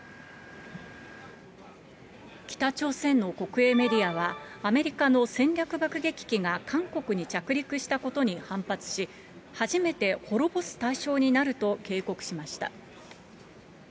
北朝鮮の国営メディアは、アメリカの戦略爆撃機が韓国に着陸したことに反発し、初めて滅ぼす対象になると警告しました。